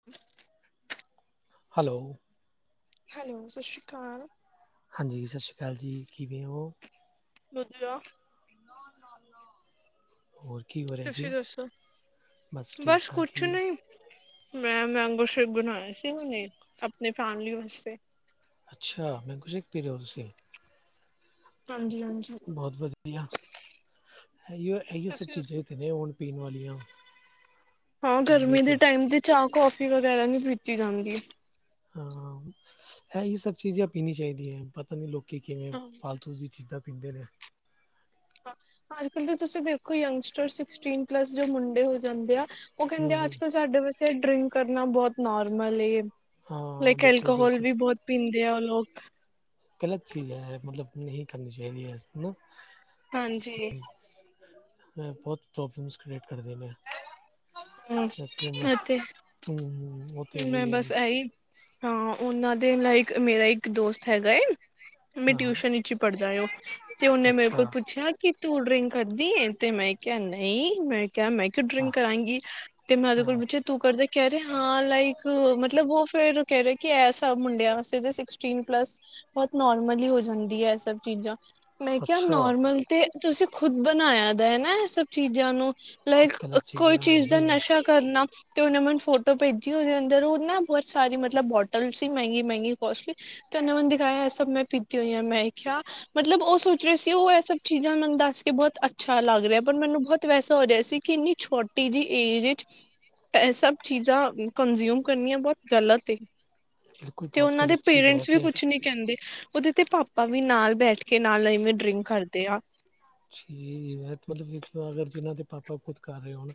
ਹ hello hello ਸਤਿ ਸ਼੍ਰੀ ਅਕਾਲ। ਹਾਂਜੀ, ਸਤਿ ਸ਼੍ਰੀ ਅਕਾਲ ਜੀ, ਕਿਵੇਂ ਹੋ? [inaudible] ਲ ਲ ਲ। ਹੋਰ ਕੀ ਹੋ ਰਿਹਾ ਤੁਸੀਂ ਜੀ ਦੱਸੋ? ਬਸ ਠੀਕ ਆ ਕੁਛ ਜੀ ਨਹੀਂ, ਮੈਂ ਮੈਂਗੋ ਸ਼ੇਕ ਬਣਾਇਆ ਸੀ ਉਹਨੇ ਆਪਣੀ ਫੈਮਿਲੀ ਵਾਸਤੇ ਅੱਛਾ ਮੈਂ ਮੈਂਗੋ ਸ਼ੇਕ ਪੀ ਰਹੇ ਹੋ ਤੁਸੀਂ ਹਾਂਜੀ ਹਾਂਜੀ ਬਹੁਤ ਵਧੀਆ ਇ ਇਹੀ ਸਭ ਤੁਸੀਂ ਚੀਜ਼ਾਂ ਦੱਸੋ? ਤੇ ਨੇ ਆਣ ਪੀਣ ਵਾਲੀਆਂ ਹਾਂ ਨਹੀਂ ਗਰਮੀ ਦੇ ਤੇ ਟਾਈਮ ਤੇਤੇ ਚਾਹ ਕੌਫੀ ਵਗੈਰਾ ਨਹੀਂ ਬੀਜੀ ਜਾਂਦੀ ਹਾਂ ਹੈ ਹੀ ਸਭ ਚੀਜ਼ਾਂ ਪੀਣੀ ਚਾਹੀਦੀਆਂ ਪਤਾ ਨੀ ਲੋਕੀ ਕਿਵੇਂ ਹਾਂਜੀ। ਫਾਲਤੂ ਚੀਦਾਂ ਪੀਂਦੇ ਨੇ ਹਾਂ ਅੱਜ ਕਲ ਦੇ ਤੁਸੀਂ ਦੇਖੋ ਯੰਗਸਟਰ ਸਿਕਸਟੀਨ ਪਲੱਸ ਜੋ ਮੁੰਡੇ ਹੋ ਜਾਂਦੇ ਆ ਉਹ ਕਹਿੰਦੇ ਹੂੰ, ਆ ਅੱਜ ਹੂੰ, ਕੱਲ੍ਹ ਸਾਡੇ ਵਾਸੇ ਡਰਿੰਕ ਕਰਨਾ ਬਹੁਤ ਨੋਰਮਲ ਹਾਂ, ਲਾਈਕ ਅਲਕੋਹਲ ਬਿਲਕੁਲ-ਬਿਲਕੁਲ। ਵੀ ਬਹੁਤ ਪੀਂਦੇ ਆ ਉਹ ਲੋਕ ਗ਼ਲਤ ਚੀਜ਼ ਹੈ ਮਤਲਬ ਨਹੀਂ ਕਰਨੀ ਚਾਹੀਦੀ ਹਾਂਜੀ ਮੈਂ ਬਹੁਤ ਪ੍ਰੋਬਲਮਸ ਕਰ੍ਰੀਏਟ ਕਰਦੇੈਂ ਹੂੰ, ਇਸ ਮੈਂ ਅਤੇ ਹਮ ਹਮ ਮੈਂ ਬਸ ਐਹੀ ਹਾਂ ਉਹਨਾਂ ਦੇ ਲਕ ਮੇਰਾ ਇੱਕ ਦੋਸਤ ਹੈਗਾ ਏ ਮੈਂ ਹਾਂ, ਟਿਊਸ਼ਨ ਵਿੱਚ ਹੀ ਪੜ੍ਹਦਾ ਤੇ ਉਹਨੇ ਮੇਰੇ ਕੋਲ ਅੱਛਾ। ਪੁੱਛਿਆ ਕਿ ਤੂੰ ਡਰਿੰਕ ਕਰੱਦੀ ਤੇ ਮੈਂ ਕਿਹਾ ਨਹੀਂ ਮੈਂ ਕਿਹਾ ਮੈਂ ਡਰਿੰਕ ਕਰਾਂਂਗੀ ਤੇ ਮੈਂ ਉਹਦੇ ਕੋਲ ਬੱਚੇ ਤੂੰ ਕਰਦੇ ਕਹਿ ਰਹਾ ਹਾਂ ਲਾਈਕ ਮਤਲਬ ਉਹ ਫੇਰ ਕਹਿ ਰਹੇ ਕਿ ਐਸਾ ਮੁੰਡਿਆਂ ਵਾਸਤੇ ਸਸਟੀਨ ਪਲੱਸ ਬਹੁਤ ਨੋਰਮਲੀ ਹੋ ਜਾਂਦੀ ਹੈ ਇਹ ਸਭ ਚੀਜ਼ਾਂ ਮੈਂ ਕਿਹਾ ਨੋਰਮਲ ਤੇ ਤੁਸੀਂ ਖੁਦ ਬਣਾਇਆ ਦਾ ਹੈ ਨਾ ਇਹ ਸਭ ਚੀਜ਼ਾਂ ਨੂੰ ਲਾਈਕ ਕੋਈ ਚੀਜ਼ ਦਾ ਨਸ਼ਾ ਕਰਨਾ ਤੇ ਉਹਨੇ ਮ ਫੋਟੋ ਤੋਂ ਭੇਜੀ ਉਹਦੇ ਅੰਦਰ ਉਹ ਨਾ ਬਹੁਤ ਸਾਰੀ ਮਤਲਬ ਬੋਟਲ ਸੀ ਮਹਿੰਗੀ ਮਹਿੰਗੀ ਕੋਸਟਲੀ। ਤ ਉਹਨੂੰ ਮਨ ਦਿਖਾਇਆ ਸਭ ਮੈਂ ਪੀਤੀ ਹੋਈ ਹਾਂ ਮੈਂ ਕਿਹਾਿਆ ਮਤਲਬ ਉਹ ਸੋਚ ਰਹੇ ਸੀ ਉਹ ਇਹ ਸਭ ਚੀਜ਼ਾਂ ਮੈਨੂੰ ਦੱਸ ਕੇ ਬਹੁਤ ਅੱਛਾ ਲੱਗ ਰਿਹਾ। ਪਰ ਮੈਨੂੰ ਬਹੁਤ ਵੈਸਾ ਹੋ ਰਿਹਾ ਸੀ ਕਿੰਨੀ ਛੋਟੀ ਜਿਹੀ ਏਜ ਵਿੱਚ--ਵਿੱਚਸਭ ਚੀਜ਼ਾਂ ਕੰਜਿਊਮ ਕਰਨੀਆਂ ਬਹੁਤ ਗਲਤ ਤੇ ਉਹਨਾਂ ਦੇ ਪੇਰੈਂਟਸ ਵੀ ਕੁਛ ਨੀ ਕਹਿੰਦੇ ਉਹਦੇ ਤੇ ਪਾਪਾ ਵੀ ਨਾਲ ਬੈਠ ਕੇ ਨਾਲ ਲਵੇਂ ਡਰਿੰਕ ਕਰਦੇ ਆ ਠੀਕ ਹੈ ਮਤਲਬਖ ਅਗਰ ਜਿਨਾਂ ਦੇ ਪਾਪਾ ਖੁਦ ਕਰ ਰਹੇ ਹੋਣ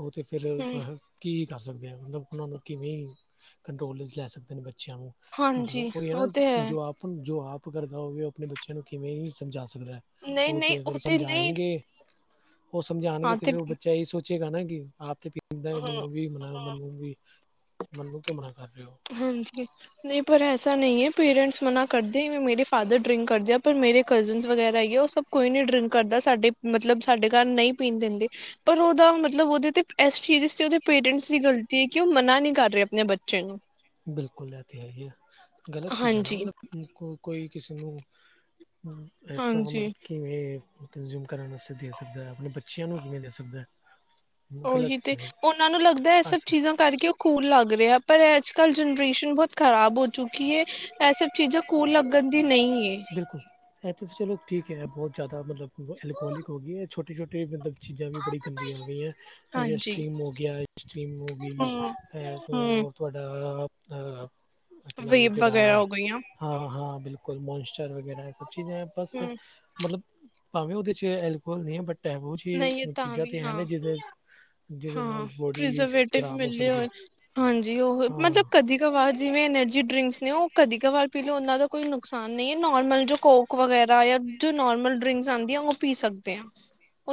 ਉਹ ਤੇ ਫਿਰ ਹੂੰ ਕੀ ਕਰ ਸਕਦੇ ਆ ਮਤਲਬ ਉਹਨਾਂ ਨੂੰ ਕਿਵੇਂ ਕੰਟਰੋਲ ਵਿੱਚ ਲੈ ਸਕਦੇ ਨੇ ਬੱਚਿਆਂ ਨੂੰ ਜੋ ਹਾਂਜੀ ਉਹ ਹੈ ਨਾ ਤੇ ਹੈ ਜੋ ਆਪ ਜੋ ਆਪ ਕਰਦਾ ਹੋਵੇ ਉਹ ਆਪਣੇ ਬੱਚਿਆਂ ਨੂੰ ਕਿਵੇਂ ਹੀ ਸਮਝਾ ਸਕਦਾ ਨਹੀਂ, ਨਹੀਂ ਤੇ ਨਹੀਂ ਸਮਝਾਏਗੇ ਉਹ ਸਮਝਾਣਗੇ ਤੇ ਫੇਿਰ ਉਹ ਬੱਚਾ ਇਹੀ ਸੋਚੇਗਾ ਨਾ ਕਿ ਆਪ ਤੇ ਦਾ ਮੈਨੂੰ ਵੀ ਮਨਾ ਮੈਨੂੰ ਵੀ ਮੈਨੂੰ ਕਿਉਂ ਮਨਾ ਕਰ ਰਹੇ ਹੋ। ਹਾਂਜੀ। ਨਹੀਂ ਪਰ ਐਸਾ ਨਹੀਂ ਹੈ। ਪੇਰੈਂਟਸ ਮਨਾ ਕਰਦੇ ਮੇਰੇ ਫਾਦਰ ਡਰਿੰਕ ਕਰਦੇ ਪਰ ਮੇਰੇ ਕਜ਼ਨਸ ਵਗੈਰਾ ਆਈ ਹੈ ਉਹ ਸਭ ਕੋਈ ਨੀ ਡਰਿੰਕ ਕਰਦਾ। ਸਾਡੇ ਮਤਲਬ ਸਾਡੇ ਘਰ ਨਹੀਂ ਪੀਣ ਦਿੰਦੇ। ਪਰ ਉਹਦਾ ਮਤਲਬ ਉਹਦੇ ਤੇ ਇਸ ਚੀਜ਼ ਇਸ ਤੇ ਉਹਦੇ ਪੇਰੈਂਟਸ ਦੀ ਗਲਤੀ ਹੈ ਕਿ ਉਹ ਮਨਾ ਨਹੀਂ ਕਰ ਰਹੇ ਆਪਣੇ ਬੱਚੇ ਨੂੰ ਬਿਲਕੁਲ ਲੈ ਤੇ ਹੈ ਹੀ ਆ ਗ਼ਲਤ ਚੀਜ਼ਾਂ ਨਾ ਹਾਂਜੀ ਮਤਲਬ ਕੋ ਕੋਈ ਕਿਸੇ ਨੂੰ ਹਾਂ ਐਸਾ ਮਤਲਬ ਹਾਂਜੀ ਕਿਵੇਂ ਕੰਜ਼ਿਊਮ ਕਰਨ ਵਾਸਤੇ ਦੇ ਸਕਦਾ ਹੈ ਆਪਣੇ ਬੱਚਿਆਂ ਨੂੰ ਕਿਵੇਂ ਦੇ ਸਕਦਾ ਹੈ ਉਹੀ ਤੇ ਉਹਨਾਂ ਨੂੰ ਲੱਗਦਾ ਇਹ ਸਭ ਅੱਜ ਚੀਜ਼ਾਂ ਕਰਕੇ ਸਕੂਲ ਲੱਗ ਰਿਹਾ। ਪਰ ਅੱਜ ਕੱਲ੍ਹ ਜਨਰੇਸ਼ਨ ਬਹੁਤ ਖਰਾਬ ਹੋ ਚੁੱਕੀ ਹੈ। ਇਹ ਸਭ ਚੀਜ਼ਾਂ ਕੂਲ ਲੱਗਣ ਦੀ ਨਹੀਂ ਏ। ਬਿਲਕੁਲ ਇਹ ਤਾਂ ਚਲੋ ਠੀਕ ਹੈ ਬਹੁਤ ਜ਼ਿਆਦਾ ਮਤਲਬ ਅਲਕੋਹਲਿਕ ਹੋ ਗਈ ਹੈ ਛੋਟੀ ਛੋਟੀ ਮਤਲਬ ਚੀਜ਼ਾਂ ਵੀ ਬੜੀ ੰਦੀਆਂ ਹੋ ਗਈਆਂ ਜ ਹਾਂਜੀ ਸਟਰੀਮ ਹੋ ਗਿਆ ਸਟਮ ਹੋ ਗਈ ਹਮ ਹੈ। ਹਮ ਤੁਹਾਡਾ ਇਹ ਕਿ ਵੇਬ ਵਗੈਰਾ ਜਿਹੜਾ ਹੋ ਗਈਆਂ ਹਾਂ, ਹਾਂ ਬਿਲਕੁਲ ਮੋਨਸਚਰ ਵਗੈਰਾ ਹੈ। ਸਭ ਚੀਜ਼ਾਂ ਬਸ ਹਮ ਮਤਲਬ ਭਾਵੇਂ ਉਹਦੇ ਚ ਐਲਕੋਹਲ ਨਹੀਂ ਹੈ ਬਟ ਐਹੋ ਨਹੀਂ ਇਹ ਜਿਹੀ ਤਾਂ ਚੀਜ਼ਾਂ ਵੀ ਤੇ ਹੈ ਨੇ ਹਾਂ ਜਿਦੇ ਜਿਹਦੇ ਹਾਂ ਨਾਲ ਬੋਡੀ ਪ੍ਰੀਜ਼ਰਵੇਟਿਵ ਖ਼ਰਾਬ ਹੋ ਮਿਲੇ ਸਕਦੀ ਹੋਏ ਹੈ। ਹਾਂਜੀ। ਉਹ ਹਾਂ। ਮਤਲਬ ਕਦੀ ਕ ਵਾਰ ਜਿਵੇਂ ਐਨਰਜੀ ਡਰਿੰਕਸ ਨੇ ਉਹ ਕਦੀ ਕ ਵਾਰ ਪੀ ਲਓ ਉਹਨਾਂ ਦਾ ਕੋਈ ਨੁਕਸਾਨ ਨਹੀਂ ਹੈ। ਨੋਰਮਲ ਜੋ ਕੋਕ ਵਗੈਰਾ ਜੋ ਨੋਰਮਲ ਡਰਿੰਕਸ ਆਉਂਦੀਆਂ ਉਹ ਪੀ ਸਕਦੇ ਆ।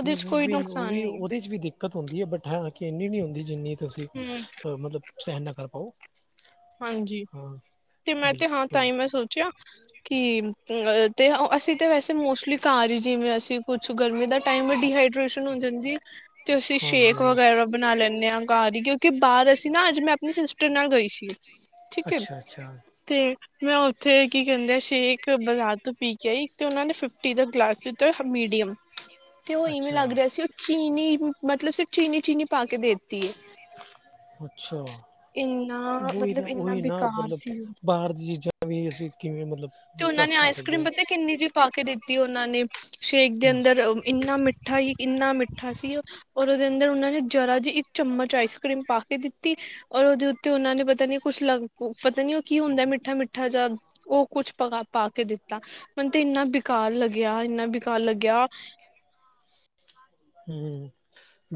ਨਹੀਂ ਉਹ ਵੀ, ਉਹ ਵੀ ਉਹਦੇ ਚ ਵੀ ਦੇਖ ਦਿੱਕਤ ਹੁੰਦੀ ਹੈ ਬਟ ਹਾ ਕਿ ਇੰਨੀ ਨੀ ਹੁੰਦੀ ਜਿੰਨੀ ਤੁਸੀਂ ਹੈ। ਹਮ ਮਤਲਬ ਸਹਿਣ ਨਾ ਕਰ ਪਾਓ। ਹਾਂਜੀ, ਹਾਂ ਤੇ ਮੈਂ ਤੇ ਹਾਂ ਬਿਲਕੁਲ ਤਾਂ ਹੀ ਮੈਂ ਸੋਚਿਆ ਕਿ ਅ ਤੇ ਅਸੀਂ ਤਾਂ ਵੈਸੇ ਮੋਸਟਲੀ ਘਰ ਹੀ ਜਿਵੇਂ ਅਸੀਂ ਕੁਛ ਗਰਮੀ ਦਾ ਟਮ ਡੀਹਾਈਡ੍ਰੇਸ਼ਨ ਹੋ ਜਾਂਦੀ। ਅਤੇ ਅਸੀਂ ਹਾਂਜੀ ਸ਼ੇਕ ਹਾਂਜੀ ਵਗੈਰਾ ਬਣਾ ਲੈਂਦੇ ਹਾਂ। ਘਾਰ ਹੀ ਕਿਉਂਕਿ ਬਾਹਰ ਅਸੀਂ ਨਾ ਅੱਜ ਮੈਂ ਆਪਣੀ ਸਿਸਟਰ ਨਾਲ ਗਈ ਸੀ। ਠੀਕ ਹੈ। ਅੱਛਾ ਅੱਛਾ ਤੇ ਮੈਂ ਹੁਣ ਉਥੇ ਕੀ ਕਹਿੰਦੇ ਆ ਸ਼ੇਕ ਬਾਜ਼ਾਰ ਤੋਂ ਪੀ ਕੇ ਆਈ। ਤੇ ਉਹਨਾਂ ਨੇ ਫਿਫਟੀ ਦਾ ਗਲਾਸ ਦਿੱਤਾ ਮੀਡੀਅਮ। ਤੇ ਉਹ ਇਵੇਂ ਲੱਗ ਅੱਛਾ ਰਿਹਾ ਸੀ। ਉਹ ਚੀਨੀ ਮਤਲਬ ਸ ਚੀਨੀ, ਚੀਨੀ ਪਾ ਕੇ ਦੇਤੀ ਹੈ। ਅੱਛਾ ਇੰਨਾ ਵੋਹੀ ਨਾ ਮਤਲਬ ਇੰਨਾ ਉਹੀ ਨਾ, ਬੇਕਾਰ ਮਤਲਬ ਸੀ ਬਾਹਰ ਦੀ ਚੀਜਾਂ ਵੀ ਅਸੀਂ ਕਿਵੇਂ ਮਤਲਬ ਤੇ ਉਹਨਾਂ ਨੇ ਟਰੱਸਟ ਕਰ ਆਈਸ ਕਰ੍ਰੀਮ ਸਕਦੇ ਪਤਾ ਕਿੰਨੀ ਜਿਹੀ ਪਾ ਕੇ ਦਿੱਤੀ ਉਹਨਾਂ ਨੇ ਸ਼ੇਕ ਦੇ ਹਾਂ ਹਮ ਅੰਦਰ ਇੰਨਾ ਮਿੱਠਾ ਹੀ ਇੰਨਾ ਮਿੱਠਾ ਸੀ। ਔਰ ਉਹਦੇ ਅੰਦਰ ਉਹਨਾਂ ਨੇ ਜਰਾ ਜਿਹੀ ਇੱਕ ਚਮਚ ਆਈਸ ਕਰ੍ਰੀਮ ਪਾ ਕੇ ਦਿੱਤੀ। ਔਰ ਉਹਦੇ ਉੱਤੇ ਉਹਨਾ ਨੇ ਪਤਾ ਨੀ ਕੁੱਛ ਲੱਗ, ਪਤਾ ਨੀ ਉਹ ਕੀ ਹੁੰਦਾ ਮਿੱਠਾ ਮਿੱਠਾ ਜਾਂ ਉਹ ਕੁਛ ਪ ਪਾ ਕੇ ਦਿੱਤਾ ਮੈਨੂੰ ਤੇ ਇੰਨਾ ਬੇਕਾਰ ਲੱਗਿਆ, ਇੰਨਾ ਬੇਕਾਰ ਲੱਗਿਆ। ਹੂਮ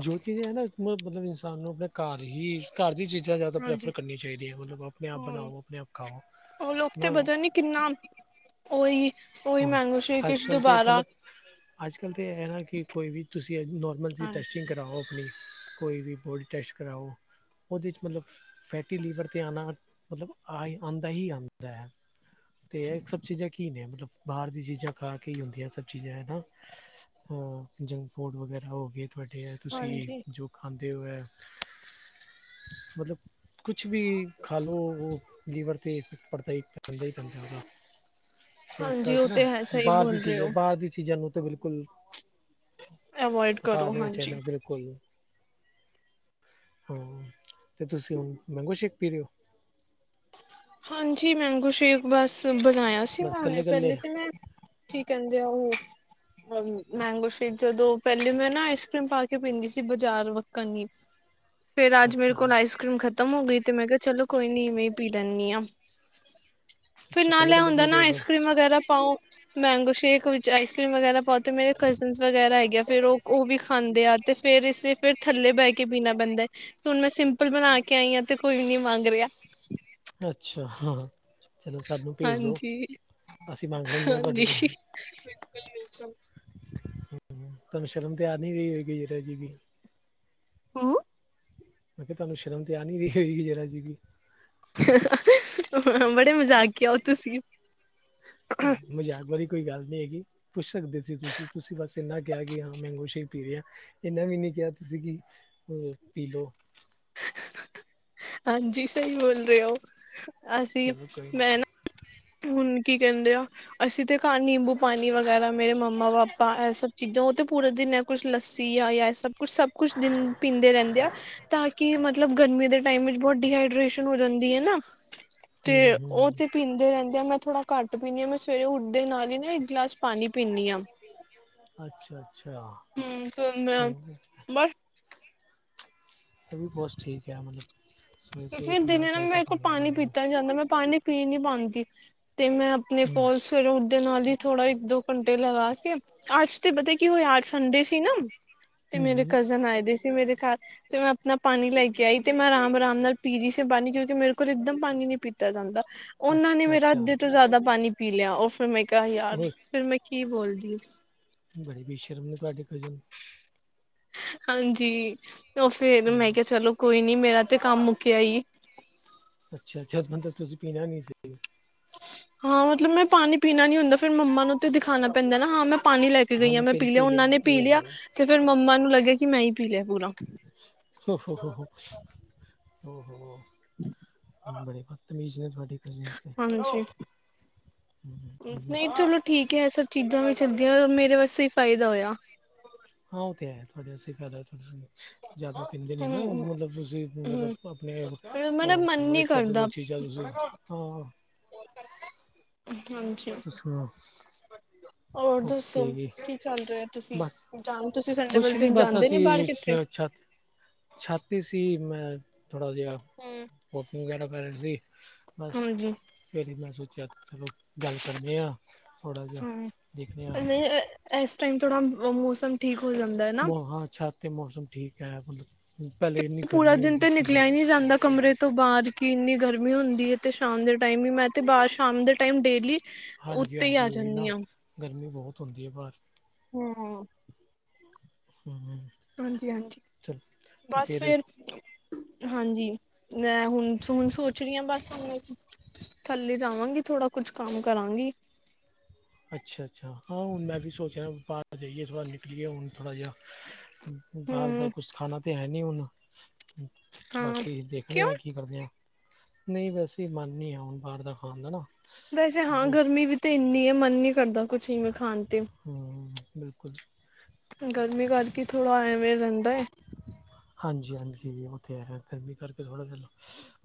ਜੋ ਚੀਜ਼ ਹੈ ਨਾ ਮੱਤਲਬ ਇਨਸਾਨ ਨੂੰ ਆਪਣੇ ਘਰ ਹੀ ਘਰ ਦੀਆਂ ਚੀਜ਼ਾਂ ਜ਼ਿਆਦਾ ਹਾਂਜੀ ਪ੍ਰੈਫਰ ਕਰਨੀਆਂ ਚਾਹੀਦੀਆਂ ਮਤਲੱਬ ਆਪਣੇ ਆਪ ਹੂੰ ਬਣਾਓ ਆਪਣੇ ਆਪ ਉਹ ਲੋਕ ਤੇ ਖਾਓ। ਪਤਾ ਨੀ ਕਿੰਨਾ ਉਹੀ। ਉਹੀ ਮੈਂਗੋ ਹਾਂ ਸ਼ੇਕ ਅੱਜ ਵਿੱਚ ਕੱਲ੍ਹ ਤੇ ਦੁਬਾਰਾ ਮਤਲਬ ਅੱਜ ਕੱਲ੍ਹ ਤਾਂ ਹੈ ਨਾ ਕਿ ਕੋਈ ਵੀ ਤੁਸੀਂ ਨੋਰਮਲ ਜਿਹੀ ਹਾਂਜੀ ਟੈਸਟਿੰਗ ਕਰਵਾਓ ਆਪਣੀ। ਕੋਈ ਵੀ ਬੋਡੀ ਟੈਸਟ ਕਰਵਾਓ। ਉਹਦੇ ਚ ਮਤਲੱਬ ਫੈਟੀ ਲੀਵਰ ਤੇ ਆਣਾ ਮਤਲੱਬ ਆਉਂਦਾ ਹੀ ਆਉਂਦਾ ਹੈ। ਤੇ ਇਹ ਸਭ ਚੀਜ਼ਾਂ ਕੀ ਨੇ ਮਤਲਬ ਬਾਹਰ ਦੀਆਂ ਚੀਜ਼ਾਂ ਖਾ ਕੇ ਹੀ ਹੁੰਦੀਆਂ ਸਭ ਚੀਜ਼ਾਂ ਨਾ। ਆ ਜੰਕ ਫੂਡ ਵਗੈਰਾ ਹੋ ਗਏ ਤੁਹਾਡੇ ਆ ਤੁਸੀਂ ਹਾਂਜੀ ਜੋ ਖਾਂਦੇ ਹੋ ਐ ਮਤਲੱਬ ਕੁੱਛ ਵੀ ਖਾ ਲਉ ਉਹ ਲੀਵਰ ਤੇ ਫੇਕਟ ਪੜਤਾ ਹੀ ਪੈਂਦਾ ਹੀ ਪੈਂਦਾ ਆ। ਤਾਂ ਹਾਂਜੀ ਉਹ ਨਾ ਤੇ ਹੈ ਸਹੀ ਬਾਹਰ ਦੀ ਬੋਲ ਰਹੇ ਚੀਜ਼ ਹੈ ਹੋ ਬਾਹਰ ਦੀ ਚੀਜ਼ਾਂ ਨੂੰ ਤਾਂ ਬਿਲਕੁਲ ਅਵੋਇਡ ਹਟਾ ਕਰੋ ਦਿਆ ਹਾਂਜੀ ਚੇਨਲ ਤੇ ਕੋਈ, ਹਾਂ ਤੇ ਤੁਸੀਂ ਹੁਣ ਮੈਂਗੋ ਸ਼ੇਕ ਪੀ ਰਹੇ ਹੋ? ਹਾਂਜੀ ਮੈਂਗੋ ਸ਼ੇਕ ਬੱਸ ਬਣਾਇਆ ਸੀ ਬਸ ਉਹਨੇ ਕੱਲੇ ਪਹਿਲੇ ਕੱਲੇ ਤੇ ਮੈਂ ਠੀਕ ਕਹਿੰਦੇ ਆ ਉਹ ਮੈਂਗੋ ਸ਼ੇਕ ਜਦੋਂ ਪਹਿਲੇ ਮੈਂ ਨਾ ਆਈਸਕ੍ਰੀਮ ਪਾ ਕੇ ਪੀਂਦੀ ਸੀ ਬਾਜ਼ਾਰ ਵੱਕਣ ਦੀ [unintelligible] ਫੇਰ ਅੱਜ ਮੇਰੇ ਅੱਛਾ ਕੋਲ ਆਈਸ ਕਰ੍ਰੀਮ ਖਤਮ ਹੋ ਗਈ। ਤੇ ਮੈਂ ਕਿਹਾ ਚਲੋ ਕੋਈ ਨੀ ਇਵੇਂ ਪੀ ਦੁਦ ਨੀ ਆ- ਫਿਰ ਅੱਛਾ ਨਾਲ ਕੱਲੇ ਇਹ ਕੱਲੇ ਹੁੰਦਾ ਪੀ ਨਾ ਰਹੇ ਹੋ ਆਈਸ ਫਿਰ ਕਰ੍ਰੀਮ ਵਗੈਰਾ ਪਾਓ ਮੈਂਗੋ ਸ਼ੇਕ ਵਿੱਚ ਆਈਸ ਕਰ੍ਰੀਮ ਵਗੈਰਾ। ਪਾਤੇ ਮੇਰੇ ਕਜ਼ਨਸ ਵਗੈਰਾ ਹੈਗੇ ਹੈ ਫੇਰ ਉਹ ਵੀ ਖਾਂਦੇ ਆ। ਤੇ ਫਿਰ ਇਸੇ ਫਿਰ ਥੱਲੇ ਬਹਿ ਕੇ ਪੀਣਾ ਪੈਂਦਾ। ਤੇ ਹੁਣ ਮੈਂ ਸਿੰਪਲ ਬਣਾ ਕੇ ਆਈ ਹਾਂ ਤੇ ਕੋਈ ਨੀ ਮੰਗ ਰਿਹਾ। ਅੱਛਾ ਹਾਂ ਚਲੋ ਸਾਨੂੰ ਭੇਜ ਦੋ ਹਾਂਜੀ ਅਸੀਂ ਮੰਗ ਲੈਂਦੇ ਹਾਂ ਤੁਹਾਡੇ ਤੋਂ ਬਿਲਕੁੱਲ ਬਿਲਕੁੱਲ ਤੁਹਾਨੂੰ ਸ਼ਰਮ ਤਾਂ ਆ ਨਹੀਂ ਰਹੀ ਹੋਏਗੀ ਜ਼ਰਾ ਜੀ ਹਾਂ। ਮੈਂ ਕਿਹਾ ਤੇਨੂੰ ਸ਼ਰਮ ਤੇ ਆ ਨੀ ਰਹੀ ਹੋਏਗੀ ਜ਼ਰਾ ਜੀ ਵੀ ਹਾਂ ਬੜੇ ਮਜ਼ਾਕੀਆ ਓ ਤੁਸੀਂ। [unintelligible] ਕੋਈ ਗੱਲ ਨੀ ਹੈਗੀ ਪੁੱਛ ਸਕਦੇ ਸੀ ਤੁਸੀ, ਤੁਸੀ ਬੱਸ ਇੰਨਾ ਕਿਹਾ ਕਿ ਹਾ ਮੈਂਗੋ ਸ਼ੇਕ ਪੀ ਰਹੇ ਹਾ। ਇਹਨਾ ਵੀ ਨੀ ਕਿਹਾ ਤੁਸੀ ਕਿ ਅ ਪੀ ਲਓ। ਹਾਂਜੀ ਸਹੀ ਬੋਲ ਰਹੇ ਹੋ ਅਸੀ ਚਲੋ ਕੋਈ ਨਹੀਂ ਮੈਂ ਨਾ ਹੁਣ ਕੀ ਕਹਿੰਦੇ ਆ ਅਸੀ ਤੇ ਘਰ ਨਿੰਬੂ ਪਾਣੀ ਵਗੈਰਾ ਮੇਰੇ ਮੰਮਾ ਪਾਪਾ ਇਹ ਸਭ ਚੀਜ਼ਾਂ ਉਹ ਤੇ ਪੂਰਾ ਦਿਨ ਕੁੱਛ ਲੱਸੀ ਆ ਯਾ ਸਭ ਕੁੱਛ ਸਭ, ਕੁਛ ਦਿਨ ਪੀਂਦੇ ਰਹਿੰਦੇ ਆ ਤਾ ਕਿ ਮਤ ਮਤਲੱਬ ਗਰਮੀ ਦੇ ਟਾਈਮ ਵਿੱਚ ਬੋਹਤ ਡੀਹਾਈਡ੍ਰੇਸ਼ਨ ਹੋ ਜਾਂਦੀ ਹੈ ਨਾ ਹੂੰ ਤੇ ਹੂੰ ਉਹ ਤੇ ਪੀਂਦੇ ਰਹਿੰਦੇ ਤੇ ਮੈਂ ਥੋੜ੍ਹਾ ਘੱਟ ਪੀਨੀ ਆ ਮੈਂ ਸਵੇਰੇ ਉੱਠਦੇ ਨਾਲ ਹੀ ਨਾ ਇੱਕ ਗਲਾਸ ਪਾਣੀ ਪਿਨੀ ਆ। ਅੱਛਾ-ਅੱਛਾ ਹਮ ਫਿਰ ਮੈਂ ਚੰਗਾ। ਬਸ ਇਹ ਵੀ ਪੋਸਟ ਠੀਕ ਹੈ ਮਤਲੱਬ ਕਿਉਂਕਿ ਦਿਨੇ ਨਾ ਮੇਰੇ ਕੋਲ ਪਾਣੀ ਬੰਦੇ ਨੂੰ ਪੀਤਾ ਨੀ ਜਾਂਦਾ ਮੈਂ ਪਾਣੀ ਪੀ ਨੀ ਪਾਦੀ ਤੇ ਮੈਂ ਆਪਣੇ ਹੂੰ ਕੋਲ ਸਵੇਰੇ ਉੱਠਦੇ ਨਾਲ ਹੀ ਥੋੜਾ ਇੱਕ ਦੋ ਘੰਟੇ ਲਗਾ ਕੇ ਅੱਜ ਤੇ ਪਤਾ ਕੀ ਹੋਇਆ ਅੱਜ ਸਂਡੇ ਸੀ ਨਾ ਤੇ ਮੇਰੇ ਹੂੰ ਕਜ਼ਨ ਆਏ ਦੇ ਸੀ ਮੇਰੇ ਘਰ ਤੇ ਮੈਂ ਆਪਣਾ ਪਾਣੀ ਲੈ ਕੇ ਆਈ ਤੇ ਮੈਂ ਆਰਾਮ ਆਰਾਮ ਨਾਲ ਪੀ ਰਹੀ ਸੀ ਪਾਣੀ ਕਿਉਂਕਿ ਮੇਰੇ ਕੋਲ ਇੱਕਦਮ ਪਾਣੀ ਨੀ ਪੀਤਾ ਜਾਂਦਾ ਉਹਨਾ ਨੇ ਅੱਛਾ ਮੇਰਾ ਅੱਛਾ ਅੱਧੇ ਤੋਂ ਜਾਦਾ ਪਾਣੀ ਪੀ ਲਿਆ ਉਹ ਫੇਰ ਮੈਂ ਕਿਹਾ ਯਾਰ ਫਿਰ ਮੈਂ ਕੀ ਬੋਲਦੀ। ਬੜੇ ਬੇਸ਼ਰਮ ਨੇ ਤੁਹਾਡੇ ਕਜ਼ਨ। ਹਾਂਜੀ ਉਹ ਫਿਰ ਹਾਂ ਮੈਂ ਕਿਹਾ ਚਲੋ ਕੋਈ ਨੀ ਮੇਰਾ ਤੇ ਕੰਮ ਮੁੱਕਿਆ ਹੀ। ਅੱਛਾ ਜਦ ਮਤਲਬ ਤੁਸੀਂ ਪੀਣਾ ਨੀ ਸੀ। ਹਾਂ ਮਤਲੱਬ ਮੈਂ ਪਾਣੀ ਪੀਣਾ ਨੀ ਹੁੰਦਾ ਫੇਰ ਮੰਮਾ ਨੂੰ ਤੇ ਦਿਖਾਣਾ ਪੈਂਦਾ ਨਾ ਹਾ ਮੈਂ ਪਾਣੀ ਲੈ ਕੇ ਗਈ ਆ ਹਮ ਮੈਂ ਪਿੰਨ ਪੀ ਲਿਆ ਉਹਨਾ ਨੇ ਪੀ ਲਿਆ ਓਹੋ ਤੇ ਫਿਰ ਮੰਮਾ ਨੂੰ ਲੱਗਿਆ ਕਿ ਮੈਂ ਹੀ ਪੀ ਲਿਆ ਪੂਰਾ। ਹੋ-ਹੋ, ਹੋ ਉਹੋ। ਬੜੇ ਬਤਮੀਜ਼ ਨੇ ਤੁਆਡੇ ਕਜਨਸ ਤੇ। ਨਈ ਚਲੋ ਠੀਕ ਏ ਐ ਸਭ ਚੀਜ਼ਾਂ ਵੀ ਚੱਲਦੀਆ ਮੇਰੇ ਵਾਸਤੇ ਈ ਫਾਇਦਾ ਹੋਇਆ। ਹਾਂ ਓ ਤੇ ਹੈ ਤੁਹਾਡੇ ਆਸਤੇ ਹੀ ਫਾਇਦਾ [unintelligible] ਜਾਦਾ ਪੀਂਦੇ ਨੀ ਨਾ ਹੂੰ ਮਤਲਬ ਤੁਸੀ ਹੂੰ ਮਤਲਬ ਆਪਣੇ ਮੇਰਾ ਮਨ ਨੀ ਅਵੋਇਡ ਕਰਦੇ ਕਰਦਾ ਚੀਜ਼ਾ ਤੁਸੀ ਹਾ। ਹਾਂਜੀ [unintelligible] ਹੋਰ ਦੱਸੋ ਓਕੇ ਕੀ ਚੱਲ ਰੇਆ ਤੁਸੀ ਬਸ ਜਾ ਤੁਸੀਂ ਸੰਡੇ ਵਾਲੇ ਦਿਨ ਜਾਂਦੇ ਨੀ ਬਾਰ ਕਿਤੇ। ਛਾ ਤੇ ਛਾਤ ਤੇ ਸੀ ਮੈਂ ਥੋਹਾ ਜੇਆ ਹੂੰ [unintelligible] ਵਗੈਰਾ ਕਰ ਰੇ ਸੀ ਬਸ ਹਾਂਜੀ ਫੇਰ ਏਨਾਂ ਸੋਚਿਆ ਚਲੋ ਗੱਲ ਕਰਦੇ ਆ ਥੋੜ੍ਹਾ ਜੇਆ ਦੇਖਨੇ ਆ। ਐਸ ਟਾਈਮ ਥੋੜ੍ਹਾ ਮੌਸਮ ਠੀਕ ਹੋ ਜਾਂਦਾ ਨਾ। ਮੋ ਹਾਂ ਅੱਛਾ ਤੇ ਮੌਸਮ ਠੀਕ ਅ ਮਤੱਲਬ [unintelligible] ਪਹਿਲੇ ਪੂਰਾ ਦਿਨ ਤੇ ਨਿਕਲਿਆ ਹੀ ਨੀ ਜਾਂਦਾ ਕਮਰੇ ਤੋ ਬਾਰ ਕਿ ਇੰਨੀ ਗਰਮੀ ਹੁੰਦੀ ਹੈ ਤੇ ਸ਼ਾਮ ਦੇ ਟਾਈਮ ਹੀ ਮੈਂ ਤੇ ਬਾਰ ਸ਼ਾਮ ਦੇ ਟਾਈਮ ਡੇਲੀ ਉੱਤੇ ਹੀ ਆ ਹਾਂਜੀ-ਹਾਂਜੀ ਓਈ ਜਾਂਦੀ ਨਾ ਹਾਂ। ਗਰਮੀ ਬੋਤ ਹੁੰਦੀ ਏ ਬਾਰ। ਹੂੰ ਹ ਹਾਂਜੀ ਹਾਂਜੀ। ਚਲ ਤੇ ਫੇਰ ਹਾਂਜੀ ਮੈਂ ਹੁਣ, ਹੁਣ ਸੋਚ ਰੀ ਆ ਬਸ ਹੁਣ ਥੱਲੇ ਜਾਵਾਂਗੀ ਥੋੜਾ ਕੁਛ ਕੰਮ ਕਰਾਂਗੀ। ਅੱਛਾ-ਅੱਛਾ ਹਾ ਹੁਣ ਮੈਂ ਵੀ ਸੋਚਿਆ ਬਾਰ ਜਾਈਏ ਥੋੜ੍ਹਾ ਨਿਕਲੀਏ ਹੁਣ ਥੋੜਾ ਜਿਹਾ ਬਾਰ ਦਾ ਹੂੰ ਕੁਛ ਖਾਣਾ ਤੇ ਹੈ ਨੀ ਹੁਣ। ਹਾਂ ਬਾਕੀ ਦੇਖਣੇ ਕਿਉਂ ਆ ਕੀ ਕਰਦੇ ਆ। ਨਈ ਵੈਸੇ ਮਨ ਨੀ ਐ ਹੁਣ ਬਾਰ ਦਾ ਖਾਣ ਦਾ ਨਾ। ਵੈਸੇ ਹਾ ਗਰਮੀ ਵੀ ਤੇ ਏਨੀ ਏ ਮਨ ਨੀ ਕਰਦਾ ਕੁਛ ਈਵੇ ਖਾਣ ਤੇ। ਹਾਂ, ਬਿਲਕੁਲ ਗਰਮੀ ਕਰਕੇ, ਥੋੜ੍ਹਾ ਐਂਵੇਂ ਰਹਿੰਦਾ ਏ ਹਾਂਜੀ -ਹਾਂਜੀ ਉਹ ਤੇ ਹੈ, ਗਰਮੀ ਕਰਕੇ, ਥੋੜਾ ਚੱਲੋ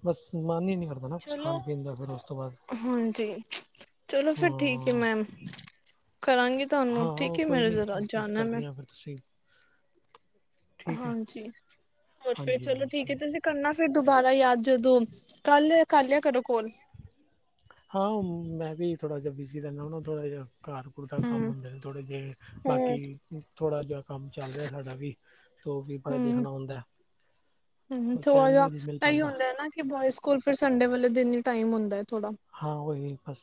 ਬਸ ਮਨ ਈ ਨੀ ਕਰਦਾ ਹਨਾ, ਕੁਛ ਚਲੋ ਖਾਣ -ਪੀਣ ਦਾ ਫਿਰ ਉਸ ਤੋਂ ਬਾਅਦ ਹਾਂਜੀ ਚਲੋ, ਫਿਰ ਠੀਕ ਏ ਹਾਂ ਮੈਮ ਕਰਾਂਗੀ ਹਾਂ ਤੁਹਾਨੂੰ ਠੀਕ ਉਹ ਹੈ ਕੋਈ ਮੇਰੇ ਨੀ, ਜ਼ਰਾ ਦੀ ਜਾਣਾ ਮੈਂ ਕਰਦੇ ਆ ਫਿਰ ਤੁਸੀਂ ਠੀਕ ਹੈ ਹਾਂਜੀ, ਹੋਰ ਫੇਰ ਹਾਂਜੀ ਚਲੋ ਠੀਕ ਏ, ਹਾਂਜੀ ਤੁਸੀਂ ਕਰਨਾ ਫਿਰ ਦੁਬਾਰਾ ਯਾਦ, ਜਦੋਂ ਕੱਲ ਕਰ ਲਿਆ ਕਰੋ ਕੋਲ ਹਾਂ ਮੈਂ ਵੀ, ਥੋੜ੍ਹਾ ਜਿਹਾ ਬਿਜ਼ੀ ਰਹਿੰਨਾ ਹੁੰਨਾ, ਥੋੜ੍ਹਾ ਜਿਹਾ ਘਰ ਸਕੂਲ ਦਾ ਕੰਮ ਹਮ ਹੁੰਦੇ ਨੇ ਥੋੜ੍ਹੇ ਜਿਹੇ, ਬਾਕੀ ਹਮ ਥੋੜਾ ਜਿਹਾ ਕੰਮ ਚੱਲ ਰਿਹਾ ਸਾਡਾ ਵੀ ਤੋ ਉਹ ਵੀ ਆਪਾਂ ਦੇਖਣਾ ਹੁੰਦਾ, ਹਮ ਪਰ ਥੋੜਾ ਟਾਈਮ ਨੀ ਜਿਹਾ ਮਿਲ ਇਹੀ ਪਾਂਦਾ ਹੁੰਦਾ ਹੈ ਨਾ ਕਿ ਬੋਆਏਸ ਕੋਲ ਫਿਰ, ਸੰਡੇ ਵਾਲੇ ਦਿਨ ਈ ਟਾਈਮ ਹੁੰਦਾ ਥੋੜ੍ਹਾ ਹਾਂ ਉਹ ਹੀ ਬਸ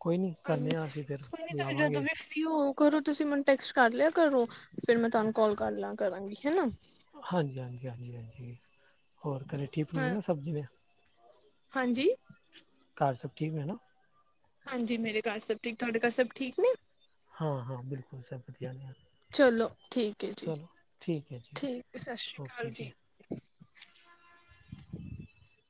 ਕੋਈ ਨੀ, ਕਰਨੇ ਆ, ਅਸੀਂ ਫਿਰ ਲਵਾਂਗੇ ਬਈ ਉਹ ਕਰੋ, ਤੁਸੀਂ ਮੈਨੂੰ ਟੈਕਸਟ ਕਰ ਲਿਆ ਕਰੋ, ਫੇਰ ਮੈਂ ਤਾਨੂੰ ਕੋਲ ਕਰ ਲਿਆ ਕਰਾਂਗੀ, ਹਨਾ ਹਾਂਜੀ- ਹਾਂਜੀ, ਹਾਂਜੀ- ਹਾਂਜੀ ਹੋਰ ਘਰੇ ਹਾਂ [unintelligible] ਹਾਂਜੀ? ਘਰ, ਸਭ ਠੀਕ ਨੇ ਨਾ? ਹਾਂਜੀ, ਮੇਰੇ ਘਰ ਸਭ ਠੀਕ- ਠਾਕ, ਤੁਹਾਡੇ ਘਰ ਸਭ ਠੀਕ ਨੇ? ਹਾਂ-ਹਾਂ, ਬਿਲਕੁਲ ਸਭ ਵਧੀਆ ਨੇ। ਚਲੋ ਠੀਕ ਏ ਜੀ, ਚਲੋ ਠੀਕ ਹੈ ਜੀ ਠੀਕ ਸਤਿ ਸ਼੍ਰੀ ਅਕਾਲ ਜੀ